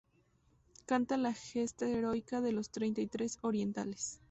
Canta la gesta heroica de los Treinta y Tres Orientales.